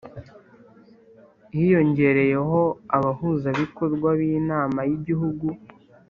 Hiyongereyeho abahuzabikorwa b inama y igihugu